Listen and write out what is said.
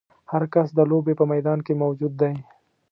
هر کس د لوبې په میدان کې موجود دی.